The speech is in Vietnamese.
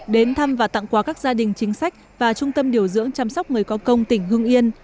đến thăm và tặng quà các gia đình chính sách và trung tâm điều dưỡng chăm sóc người có công tỉnh hưng yên